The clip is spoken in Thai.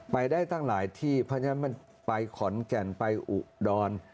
ไปได้ตั้งหลายที่เพราะฉะนั้นมันไปขอนแก่นไปอุดร